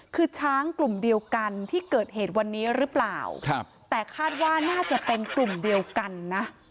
คือช้างกลุ่มเดียวกันที่เกิดเหตุวันนี้หรือเปล่าครับแต่คาดว่าน่าจะเป็นกลุ่มเดียวกันนะ